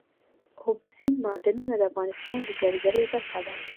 اوبزین معدنونه د افغانستان د سیلګرۍ برخه ده.